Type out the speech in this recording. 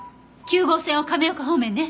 ９号線を亀岡方面ね。